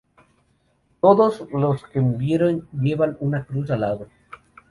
Todos los que murieron llevan una cruz al lado.